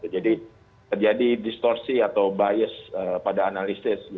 jadi terjadi distorsi atau bias pada analisis